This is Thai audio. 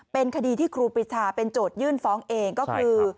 เป็นคดีที่ครูปิชาเป็นโจทยื่นฟ้องเองก็คือ